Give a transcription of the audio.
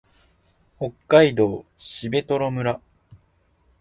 北海道蘂取村